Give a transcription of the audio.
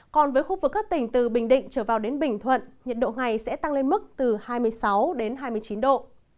còn với khu vực các tỉnh từ bình định trở vào đến bình thuận nhiệt độ ngày sẽ tăng lên mức từ hai mươi sáu hai mươi chín độ